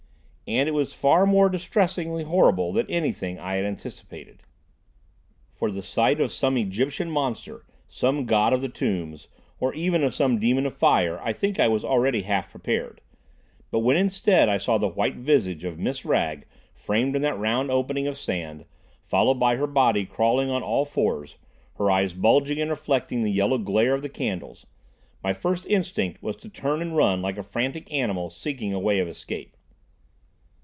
And it was far more distressingly horrible than anything I had anticipated. For the sight of some Egyptian monster, some god of the tombs, or even of some demon of fire, I think I was already half prepared; but when, instead, I saw the white visage of Miss Wragge framed in that round opening of sand, followed by her body crawling on all fours, her eyes bulging and reflecting the yellow glare of the candles, my first instinct was to turn and run like a frantic animal seeking a way of escape.